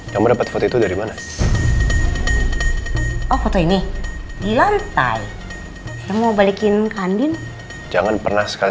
kamu dapat foto itu dari mana oh foto ini di lantai saya mau balikin kandin jangan pernah sekali